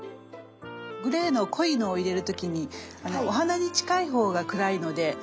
グレーの濃いのを入れる時にお花に近い方が暗いので。